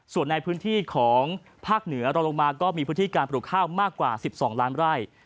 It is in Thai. ส่วนในพื้นที่ของภาคเหนือเราลงมาก็มีพื้นที่การปลูกข้าวมากกว่า๑๒ล้านไร่